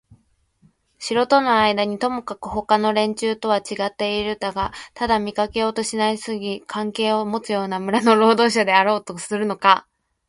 城とのあいだにともかくもほかの連中とはちがってはいるがただ見かけだけにすぎない関係をもつような村の労働者であろうとするのか、